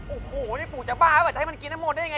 โอ้โหนี่ปู่จะบ้าป่ะจะให้มันกินน้ำมนต์ได้ยังไง